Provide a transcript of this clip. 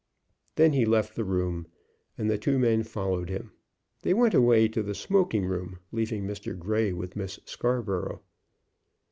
Then he left the room, and the two men followed him. They went away to the smoking room, leaving Mr. Grey with Miss Scarborough.